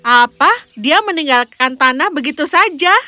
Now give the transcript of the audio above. apa dia meninggalkan tanah begitu saja